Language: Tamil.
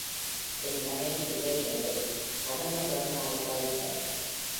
என் மனைவி இதை எனது கடந்த பிறந்தாளுக்கு அளித்தார்.